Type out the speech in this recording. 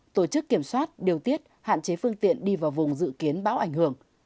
tổ chức kiểm soát điều tiết hạn chế phương tiện đi vào vùng dự kiến bão ảnh hưởng